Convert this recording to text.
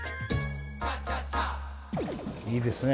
いいですね